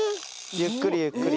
ゆっくりゆっくり。